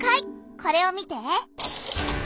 これを見て。